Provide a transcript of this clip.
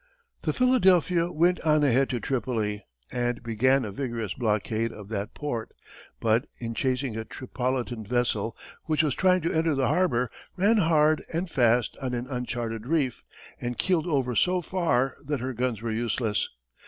The Philadelphia went on ahead to Tripoli and began a vigorous blockade of that port, but, in chasing a Tripolitan vessel which was trying to enter the harbor, ran hard and fast on an uncharted reef, and keeled over so far that her guns were useless.